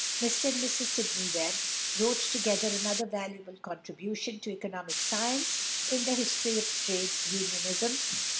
Mr and Mrs Sidney Webb wrote together another valuable contribution to economic science in "The History of Trade Unionism" (1894).